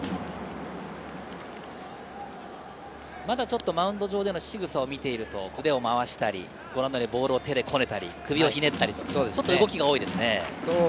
まだちょっとマウンド上でのしぐさを見ていると腕を回したり、ボールを手でこねたり首をひねったりと、ちょっと動きが多いですね。